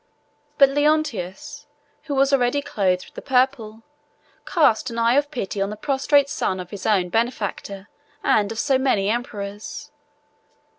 But Leontius, who was already clothed with the purple, cast an eye of pity on the prostrate son of his own benefactor and of so many emperors.